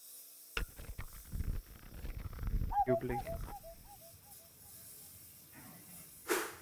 Her brother is actor Whip Hubley.